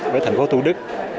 với thành phố thủ đức